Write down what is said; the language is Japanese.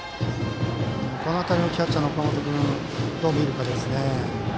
この辺りをキャッチャーの岡本君がどう見るかですね。